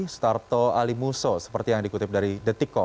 starto alimuso seperti yang dikutip dari detikom